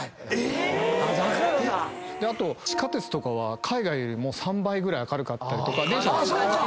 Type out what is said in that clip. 地下鉄とかは海外よりも３倍ぐらい明るかったりとか。